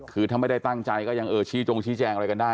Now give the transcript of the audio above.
คือถ้าไม่ได้ตั้งใจก็ยังเออชี้จงชี้แจงอะไรกันได้